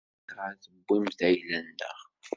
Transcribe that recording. Ayɣer i tewwimt ayla-nneɣ?